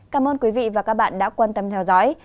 cảm ơn quý vị và các bạn đã quan tâm theo dõi